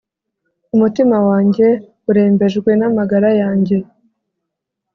Umutima wanjye urembejwe namagara yanjye